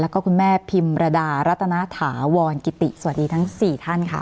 แลก็คุณแม่ภิมรธารัตณฐะวอนกิติสวัสดีทั้ง๔ท่านค่ะ